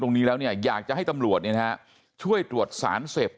ตรงนี้แล้วเนี่ยอยากจะให้ตำรวจช่วยตรวจสารเสพ